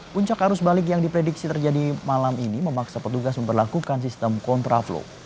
puncak arus balik yang diprediksi terjadi malam ini memaksa petugas memperlakukan sistem kontraflow